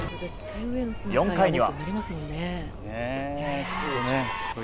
４回には。